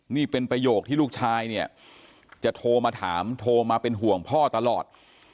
นี่เป็นประโยคที่ลูกชายเนี่ยจะโทรมาถามโทรมาเป็นห่วงพ่อตลอด